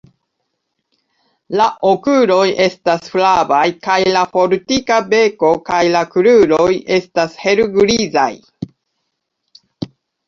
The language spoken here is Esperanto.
La okuloj estas flavaj kaj la fortika beko kaj la kruroj estas helgrizaj.